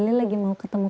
kak fadli lagi mau ketemu